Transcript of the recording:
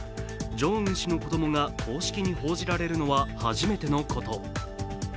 ジョンウン氏の子供が公式に報じられるのは初めてのこと。